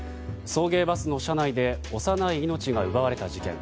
送迎バスの車内で幼い命が奪われた事件。